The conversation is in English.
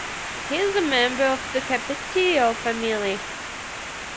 He is a member of the Capetillo family.